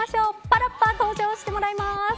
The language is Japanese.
パラッパ、登場してもらいます。